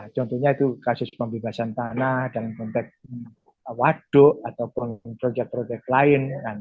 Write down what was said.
contohnya itu kasus pembebasan tanah kontek waduk ataupun projek projek lain